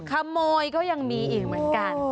ขโมยก็ยังมีอีกเหมือนกัน